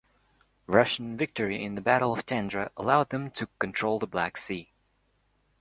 Russian victory in the Battle of Tendra allowed them to control the Black Sea.